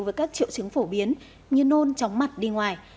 với các triệu chứng phổ biến như nôn chóng mặt đi ngoài